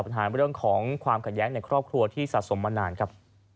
ปัญหาเรื่องของความขัดแย้งในครอบครัวที่สะสมมานานครับ